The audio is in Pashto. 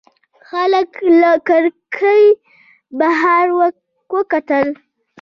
هلک له کړکۍ بهر وکتل.